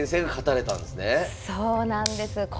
そうなんです。